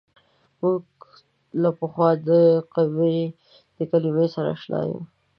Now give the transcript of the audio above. موږ له پخوا د قوې د کلمې سره اشنا یو.